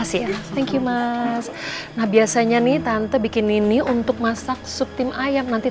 seneng sekali tante ketemu kamu disini